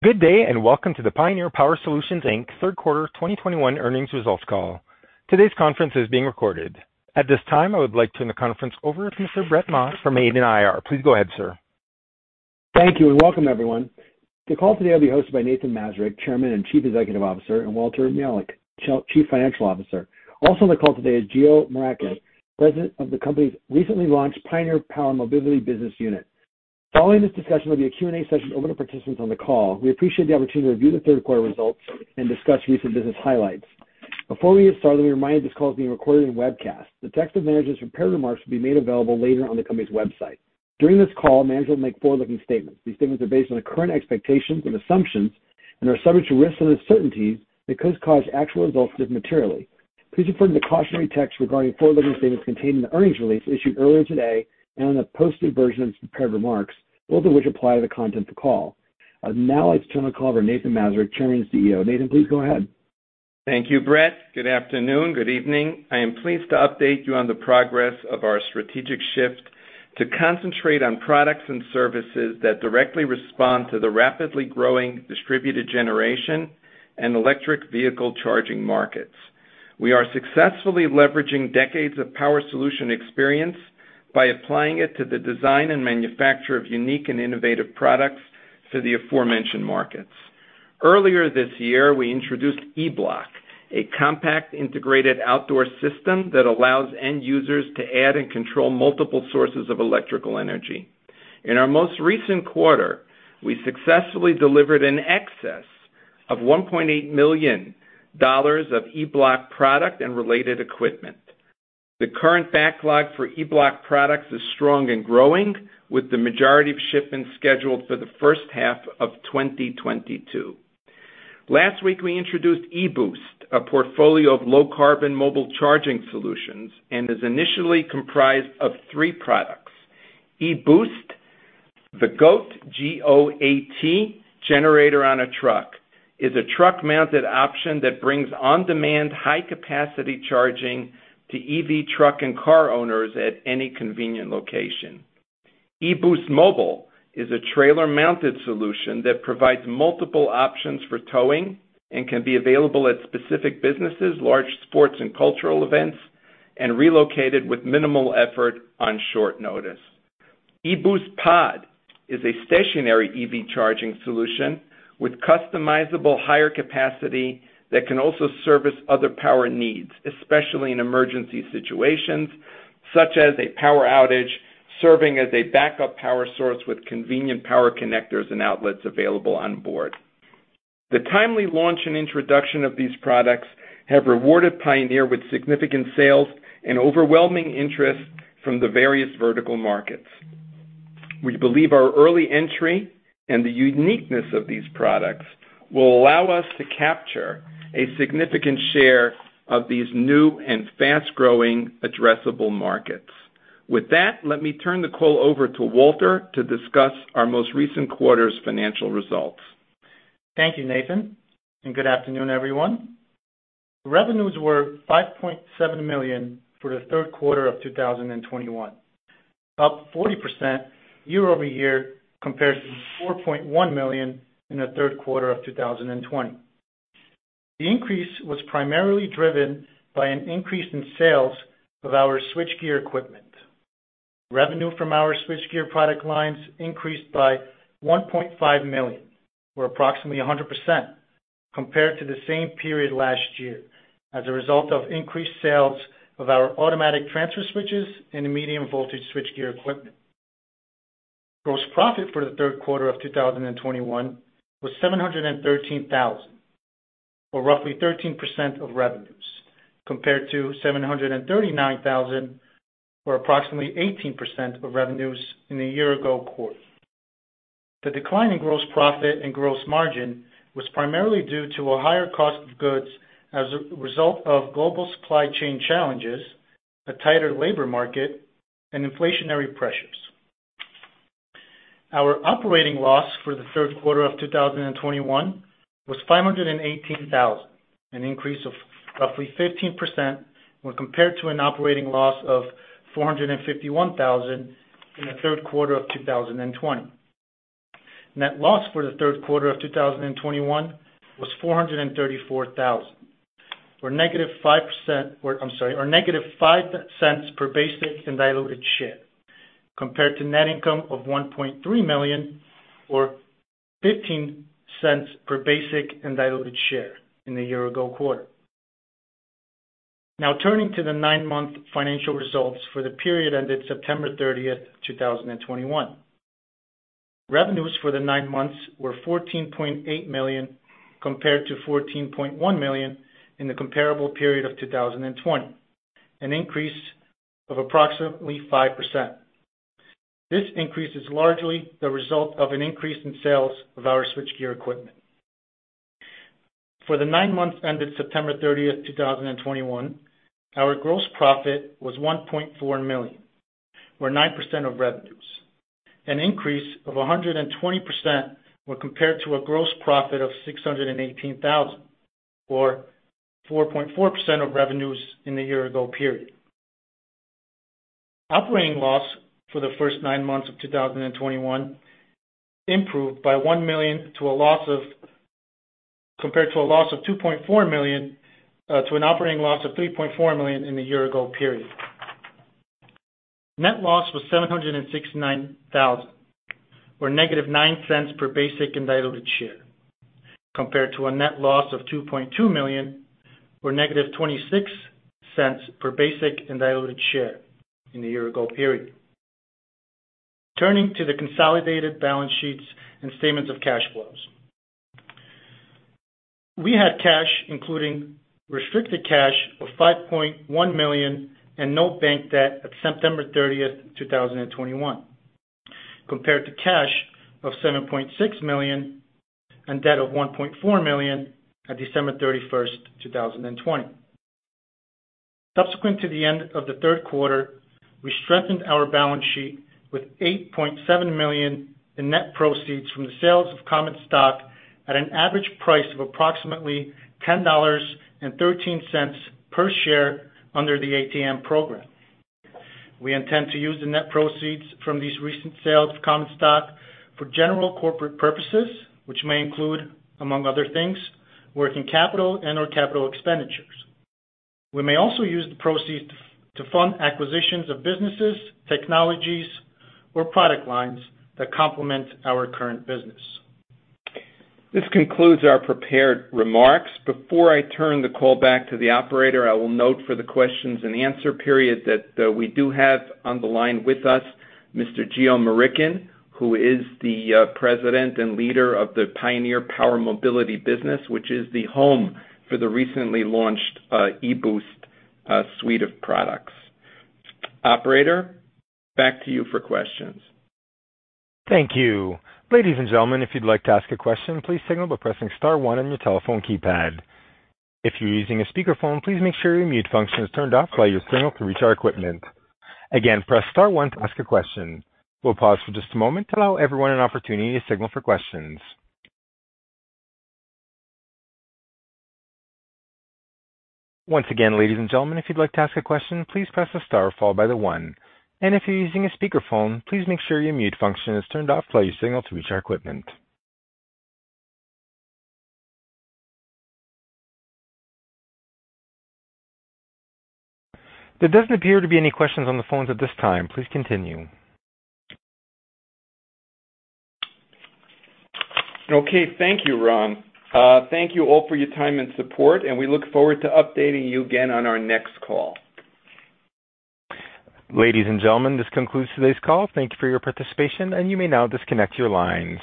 Good day, and welcome to the Pioneer Power Solutions, Inc. third quarter 2021 earnings results call. Today's conference is being recorded. At this time, I would like to turn the conference over to Mr. Brett Maas from Hayden IR. Please go ahead, sir. Thank you, and welcome, everyone. The call today will be hosted by Nathan Mazurek, Chairman and Chief Executive Officer, and Walter Michalec, Chief Financial Officer. Also on the call today is Geo Murickan, President of the company's recently launched Pioneer Power Mobility Business Unit. Following this discussion will be a Q&A session open to participants on the call. We appreciate the opportunity to review the third quarter results and discuss recent business highlights. Before we get started, let me remind you this call is being recorded and webcast. The text of management's prepared remarks will be made available later on the company's website. During this call, managers will make forward-looking statements. These statements are based on the current expectations and assumptions and are subject to risks and uncertainties that could cause actual results to differ materially. Please refer to the cautionary text regarding forward-looking statements contained in the earnings release issued earlier today and in the posted version of prepared remarks, both of which apply to the content of the call. I would now like to turn the call over to Nathan Mazurek, Chairman and CEO. Nathan, please go ahead. Thank you, Brett. Good afternoon, good evening. I am pleased to update you on the progress of our strategic shift to concentrate on products and services that directly respond to the rapidly growing distributed generation and electric vehicle charging markets. We are successfully leveraging decades of power solution experience by applying it to the design and manufacture of unique and innovative products to the aforementioned markets. Earlier this year, we introduced E-Bloc, a compact integrated outdoor system that allows end users to add and control multiple sources of electrical energy. In our most recent quarter, we successfully delivered in excess of $1.8 million of E-Bloc product and related equipment. The current backlog for E-Bloc products is strong and growing, with the majority of shipments scheduled for the first half of 2022. Last week, we introduced e-Boost, a portfolio of low carbon mobile charging solutions, and is initially comprised of three products. e-Boost, the G.O.A.T., G-O-A-T, Generator On A Truck, is a truck-mounted option that brings on-demand high capacity charging to EV truck and car owners at any convenient location. e-Boost Mobile is a trailer-mounted solution that provides multiple options for towing and can be available at specific businesses, large sports and cultural events, and relocated with minimal effort on short notice. e-Boost Pod is a stationary EV charging solution with customizable higher capacity that can also service other power needs, especially in emergency situations, such as a power outage, serving as a backup power source with convenient power connectors and outlets available on board. The timely launch and introduction of these products have rewarded Pioneer with significant sales and overwhelming interest from the various vertical markets. We believe our early entry and the uniqueness of these products will allow us to capture a significant share of these new and fast-growing addressable markets. With that, let me turn the call over to Walter to discuss our most recent quarter's financial results. Thank you, Nathan, and good afternoon, everyone. Revenues were $5.7 million for the third quarter of 2021. Up 40% year-over-year compared to $4.1 million in the third quarter of 2020. The increase was primarily driven by an increase in sales of our switchgear equipment. Revenue from our switchgear product lines increased by $1.5 million, or approximately 100% compared to the same period last year as a result of increased sales of our automatic transfer switches and the medium voltage switchgear equipment. Gross profit for the third quarter of 2021 was $713 thousand, or roughly 13% of revenues, compared to $739 thousand, or approximately 18% of revenues in the year ago quarter. The decline in gross profit and gross margin was primarily due to a higher cost of goods as a result of global supply chain challenges, a tighter labor market, and inflationary pressures. Our operating loss for the third quarter of 2021 was $518,000, an increase of roughly 15% when compared to an operating loss of $451,000 in the third quarter of 2020. Net loss for the third quarter of 2021 was $434,000, or -$0.05 per basic and diluted share, compared to net income of $1.3 million or $0.15 per basic and diluted share in the year ago quarter. Now turning to the nine-month financial results for the period ended September 30th, 2021. Revenues for the nine months were $14.8 million compared to $14.1 million in the comparable period of 2020, an increase of approximately 5%. This increase is largely the result of an increase in sales of our switchgear equipment. For the nine months ended September 30th, 2021, our gross profit was $1.4 million or 9% of revenues, an increase of 120% when compared to a gross profit of $618,000 or 4.4% of revenues in the year ago period. Operating loss for the first nine months of 2021 improved by $1 million to a loss of $2.4 million compared to an operating loss of $3.4 million in the year ago period. Net loss was $769,000, or negative $0.09 per basic and diluted share, compared to a net loss of $2.2 million, or negative $0.26 per basic and diluted share in the year ago period. Turning to the consolidated balance sheets and statements of cash flows. We had cash, including restricted cash of $5.1 million and no bank debt at September 30th, 2021, compared to cash of $7.6 million and debt of $1.4 million at December 31, 2020. Subsequent to the end of the third quarter, we strengthened our balance sheet with $8.7 million in net proceeds from the sales of common stock at an average price of approximately $10.13 per share under the ATM program. We intend to use the net proceeds from these recent sales of common stock for general corporate purposes, which may include, among other things, working capital and/or capital expenditures. We may also use the proceeds to fund acquisitions of businesses, technologies, or product lines that complement our current business. This concludes our prepared remarks. Before I turn the call back to the operator, I will note for the questions and answer period that we do have on the line with us Mr. Geo Murickan, who is the President and leader of the Pioneer Power Mobility business, which is the home for the recently launched e-Boost suite of products. Operator, back to you for questions. Thank you. Ladies and gentlemen, if you'd like to ask a question, please signal by pressing star one on your telephone keypad. If you're using a speakerphone, please make sure your mute function is turned off while your signal can reach our equipment. Again, press star one to ask a question. We'll pause for just a moment to allow everyone an opportunity to signal for questions. Once again, ladies and gentlemen, if you'd like to ask a question, please press the star followed by the one. If you're using a speakerphone, please make sure your mute function is turned off while your signal can reach our equipment. There doesn't appear to be any questions on the phones at this time. Please continue. Okay. Thank you, Ron. Thank you all for your time and support, and we look forward to updating you again on our next call. Ladies and gentlemen, this concludes today's call. Thank you for your participation, and you may now disconnect your lines.